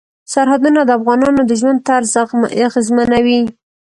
سرحدونه د افغانانو د ژوند طرز اغېزمنوي.